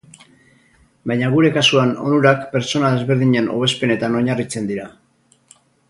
Baina gure kasuan onurak pertsona desberdinen hobespenetan oinarritzen dira.